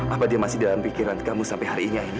apa dia masih dalam pikiran kamu sampai hari ini